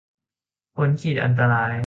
พ้นขีดอันตราย